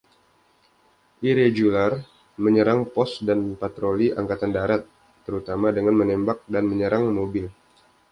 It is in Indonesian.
Irregular menyerang pos dan patroli Angkatan Darat, terutama dengan menembak, dan menyerang mobil.